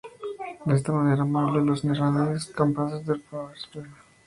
De esta manera amable los neerlandeses eran capaces de reponer sus reservas.